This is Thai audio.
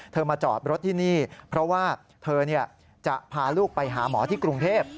มาจอดรถที่นี่เพราะว่าเธอจะพาลูกไปหาหมอที่กรุงเทพ